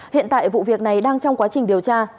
hiện tại vụ việc này đang trong quá trình điều tra